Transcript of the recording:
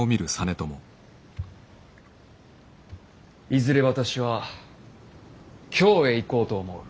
いずれ私は京へ行こうと思う。